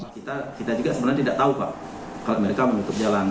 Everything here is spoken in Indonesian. kita juga sebenarnya tidak tahu pak kalau mereka menutup jalan